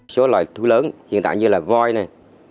số loài thú lớn hiện tại như là voi này